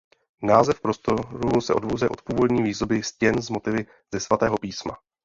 Název prostorů se odvozuje od původní výzdoby stěn s motivy ze Svatého písma.